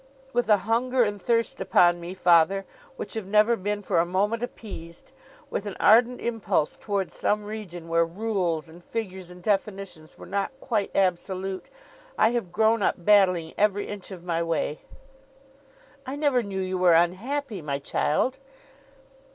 'With a hunger and thirst upon me, father, which have never been for a moment appeased; with an ardent impulse towards some region where rules, and figures, and definitions were not quite absolute; I have grown up, battling every inch of my way.' 'I never knew you were unhappy, my child.